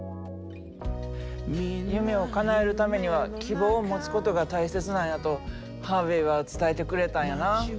夢をかなえるためには希望を持つことが大切なんやとハーヴェイは伝えてくれたんやな。